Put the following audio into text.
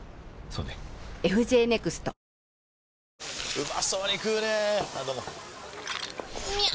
うまそうに食うねぇあどうもみゃう！！